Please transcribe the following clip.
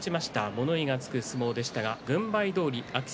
物言いのつく一番でした。